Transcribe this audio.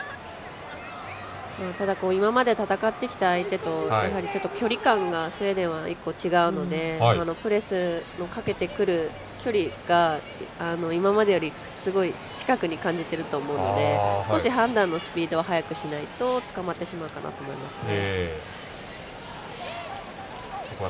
今まで戦ってきた相手とちょっと距離感がスウェーデンは一歩違うのでプレスもかけてくる距離が今までよりすごい近くに感じていると思うので少し判断のスピードを早くしないとつかまってしまうかなと思いますね。